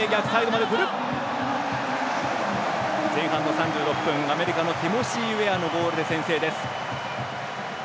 前半の３６分アメリカのティモシー・ウェアのゴールで先制です。